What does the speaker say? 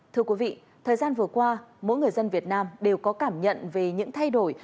thưa quý vị thời gian vừa qua mỗi người dân việt nam đều có cảm nhận về những thay đổi